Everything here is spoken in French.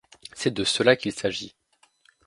C'est de cela qu'il s'agit.